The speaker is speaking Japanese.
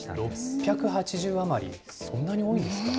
６８０余り、そんなに多いんですか。